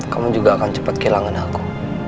kamu juga akan cepat kehilangan aku